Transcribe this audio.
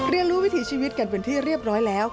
เรียนรู้วิถีชีวิตกันเป็นที่เรียบร้อยแล้ว